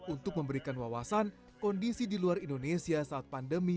untuk memberikan wawasan kondisi diluar indonesia saat pandemi